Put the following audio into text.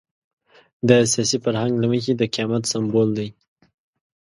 د سیاسي فرهنګ له مخې د قیامت سمبول دی.